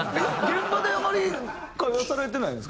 現場であまり会話されてないんですか？